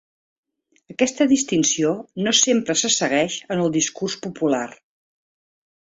Aquesta distinció no sempre se segueix en el discurs popular.